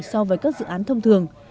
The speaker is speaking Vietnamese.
so với các dự án thông thường